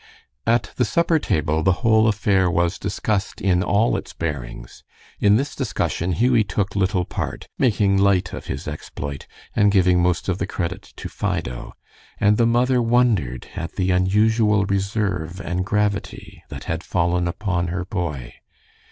At the supper table the whole affair was discussed in all its bearings. In this discussion Hughie took little part, making light of his exploit, and giving most of the credit to Fido, and the mother wondered at the unusual reserve and gravity that had fallen upon her boy.